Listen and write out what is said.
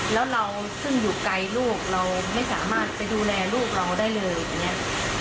แล้วเราซึ่งอยู่ไกลลูกเราไม่สามารถไปดูแลลูกเราได้เลยอย่างนี้